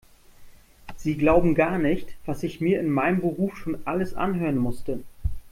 Sie glauben gar nicht, was ich mir in meinem Beruf schon alles anhören musste.